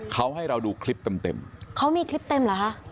เขาให้เราดูคลิปเต็มเต็มเขามีคลิปเต็มเหรอคะ